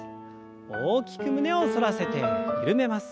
大きく胸を反らせて緩めます。